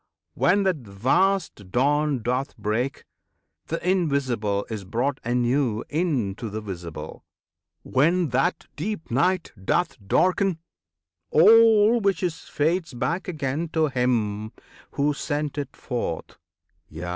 When that vast Dawn doth break, th' Invisible Is brought anew into the Visible; When that deep Night doth darken, all which is Fades back again to Him Who sent it forth; Yea!